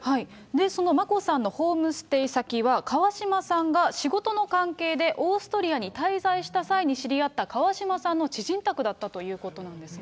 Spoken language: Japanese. その眞子さんのホームステイ先は、川嶋さんが仕事の関係でオーストリアに滞在した際に知り合った川嶋さんの知人宅だったということなんですね。